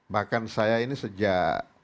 bahkan saya ini sejak